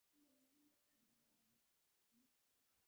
ވާރޭ ވެހެން ފަށާނީ އެހަލުވާލި ދިމާއަކުން ނޫން